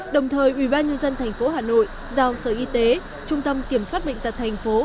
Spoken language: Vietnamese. đồng thời ubnd tp hà nội giao sở y tế trung tâm kiểm soát bệnh tật tp